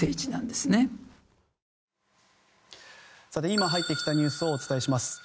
今、入ってきたニュースをお伝えします。